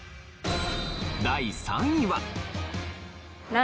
第３位は。